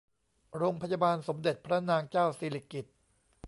โรงพยาบาลสมเด็จพระนางเจ้าสิริกิติ์